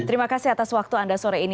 terima kasih atas waktu anda sore ini